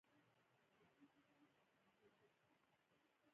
زه په دوبۍ کې د یوه رستورانت ملاتړی یم.